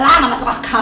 salah mas pak